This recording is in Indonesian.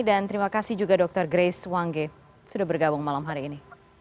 dan terima kasih juga dokter grace wangge sudah bergabung malam hari ini